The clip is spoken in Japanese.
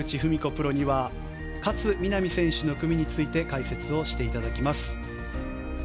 プロには勝みなみ選手の組について解説していただきます。